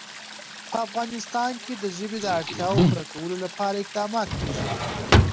په افغانستان کې د ژبې د اړتیاوو پوره کولو لپاره اقدامات کېږي.